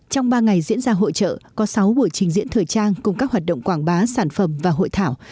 trong ba ngày diễn ra hội trợ có sáu buổi trình diễn thời trang cùng các hoạt động quảng bá sản phẩm và hội thảo